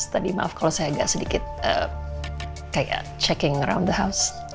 tadi maaf kalau saya agak sedikit kayak checking around the house